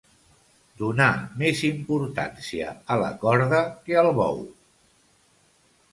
Donar més importància a la corda que al bou.